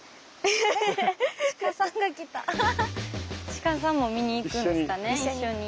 鹿さんも見に行くんですかね一緒に。